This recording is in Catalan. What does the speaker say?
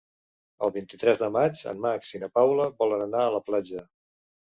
El vint-i-tres de maig en Max i na Paula volen anar a la platja.